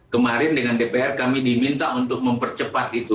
kemarin dengan dpr kami diminta untuk mempercepat itu